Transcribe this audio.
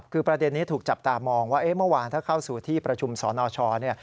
คือประเด็นนี้ถูกจับตามองว่าเมื่อวานถ้าเข้าสู่ที่ประชุมสนช